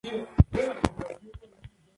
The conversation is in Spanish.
Tenían un hermano mayor, Robert.